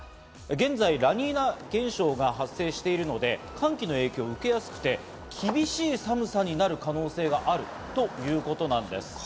現在、ラニーニャ現象が発生しているので、寒気の影響を受けやすくて厳しい寒さになる可能性があるということなんです。